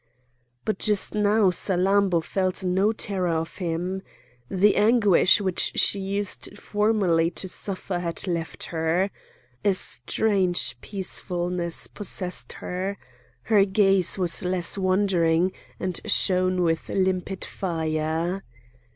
But just now Salammbô felt no terror of him. The anguish which she used formerly to suffer had left her. A strange peacefulness possessed her. Her gaze was less wandering, and shone with limpid fire.